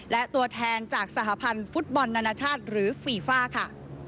และตัวแทนจากสหพันธ์ฟุตบอลนานาชาติหรือฟีฟ่าค่ะ